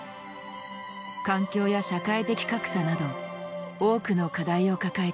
環境や社会的格差など多くの課題を抱えていた。